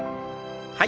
はい。